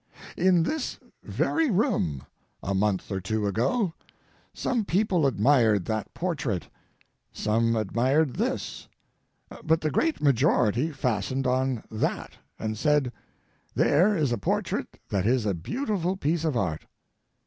In this very room, a month or two ago, some people admired that portrait; some admired this, but the great majority fastened on that, and said, "There is a portrait that is a beautiful piece of art."